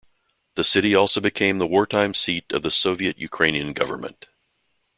The city also became the wartime seat of the Soviet Ukrainian government.